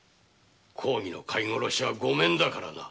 公儀の飼い殺しはごめんだからな。